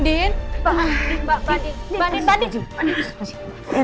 mbak din mbak din